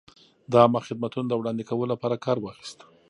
د عامه خدمتونو د وړاندې کولو لپاره کار واخیست.